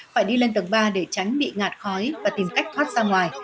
phải đi lên tầng ba để tránh bị ngạt khói và tìm cách thoát ra ngoài